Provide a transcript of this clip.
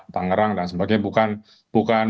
tangerang dan sebagainya bukan